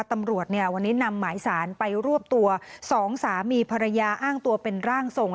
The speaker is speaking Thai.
ตำรวจเนี่ยวันนี้นำหมายสารไปรวบตัวสองสามีภรรยาอ้างตัวเป็นร่างทรง